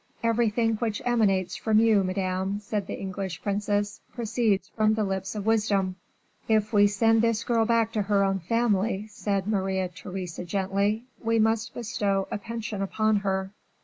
"Everything which emanates from you, madame," said the English princess, "proceeds from the lips of Wisdom." "If we send this girl back to her own family," said Maria Theresa, gently, "we must bestow a pension upon her."